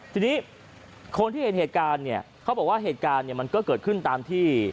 ทีนี้คนที่เห็นเหตุการณ์เนี่ยเขาบอกว่าเหตุการณ์เนี่ยมันก็เกิดขึ้นตามที่